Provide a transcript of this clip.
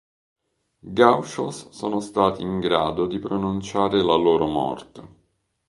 Gauchos sono stati in grado di pronunciare la loro morte".